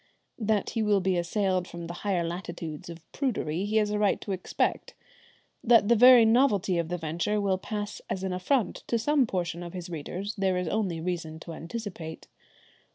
That he will be assailed from the higher latitudes of prudery he has a right to expect. That the very novelty of the venture will pass as an affront to some portion of his readers there is only reason to anticipate.